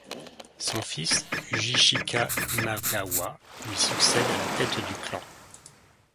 Son fils Ujichika Imagawa lui succède à la tête du clan.